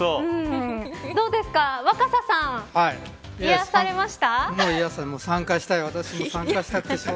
どうですか、若狭さん癒やされましたか。